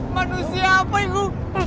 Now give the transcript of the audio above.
manusia apa itu